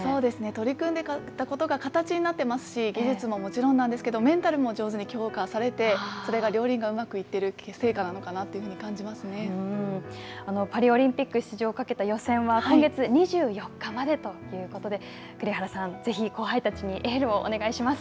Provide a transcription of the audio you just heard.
取り組んだことが形になってますし、技術ももちろんなんですけど、メンタルも上手に強化されて、それが両輪がうまくいってる成果なのかなパリオリンピック出場を懸けた予選は今月２４日までということで、栗原さん、ぜひ後輩たちにエールをお願いします。